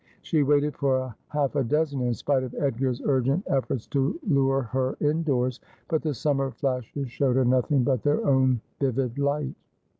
She waited for half a dozen, in spite of Edgar's urgent efforts to lure her indoors, but the summer flashes showed her nothing but their own vivid light.